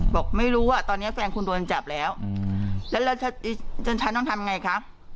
บอกไม่รู้ว่าตอนนี้แฟนคุณโดนจับแล้วแล้วจนฉันต้องทำไงคะ